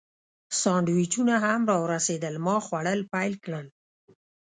سانډویچونه هم راورسېدل، ما خوړل پیل کړل.